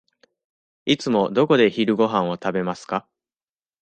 いつもどこで昼ごはんを食べますか。